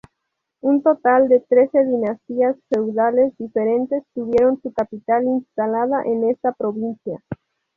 Un total de trece dinastías feudales diferentes tuvieron su capital instalada en esta provincia.